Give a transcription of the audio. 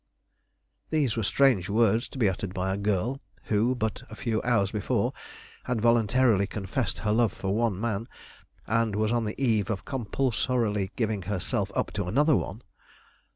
These were strange words to be uttered by a girl who but a few hours before had voluntarily confessed her love for one man, and was on the eve of compulsorily giving herself up to another one.